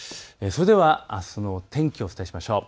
それではあすの天気、お伝えしましょう。